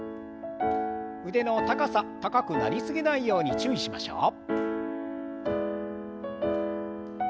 腕の高さ高くなりすぎないように注意しましょう。